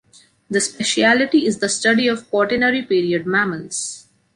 The specialty is the study of quaternary Period mammals.